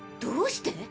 どうして？